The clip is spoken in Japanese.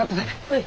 はい。